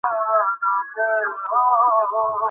তোমরা কুকুরছানার সাথে খেলছো?